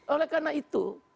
oleh karena itu